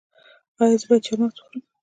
ایا زه باید چهارمغز وخورم؟